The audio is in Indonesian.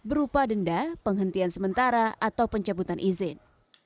berupa denda penghentian sementara atau pencabutan izin